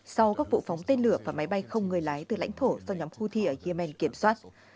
sau các vụ phóng tên lửa và máy bay không người lái từ lãnh thổ do nhóm houthi ở yemen kiểm soát